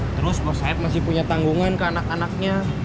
terus bos aid masih punya tanggungan ke anak anaknya